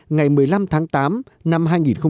ngày một mươi năm tháng tám năm hai nghìn hai mươi